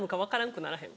くならへん？